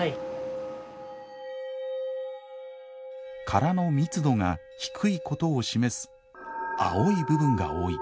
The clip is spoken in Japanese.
殻の密度が低いことを示す青い部分が多い。